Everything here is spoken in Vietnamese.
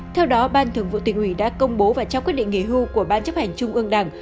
theo đó ban thường vụ tỉnh ủy đã công bố và trao quyết định nghỉ hưu của ban chấp hành trung ương đảng